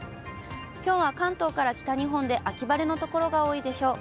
きょうは関東から北日本で秋晴れの所が多いでしょう。